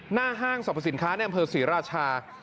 ห้างสรรพสินค้าในอำเภอศรีราชา